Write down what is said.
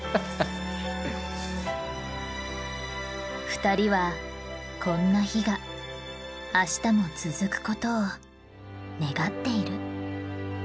二人はこんな日が明日も続くことを願っている。